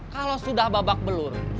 kalau sudah babak belur